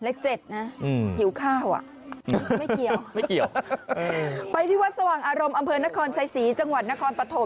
หิวข้าวอ่ะไม่เกี่ยวไม่เกี่ยวไปที่วัดสว่างอารมณ์อำเภอนครชัยศรีจังหวัดนครปฐม